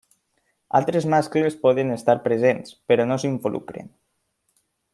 Altres mascles poden estar presents, però no s'involucren.